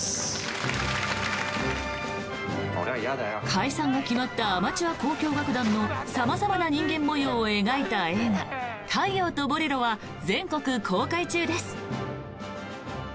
解散が決まったアマチュア交響楽団の様々な人間模様を描いた映画「太陽とボレロ」は全国公開中です。